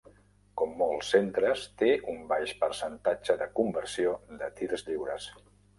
Com molts centres, té un baix percentatge de conversió de tirs lliures.